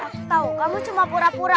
aku tahu kamu cuma pura pura